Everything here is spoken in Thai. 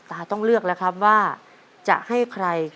คุณยายแจ้วเลือกตอบจังหวัดนครราชสีมานะครับ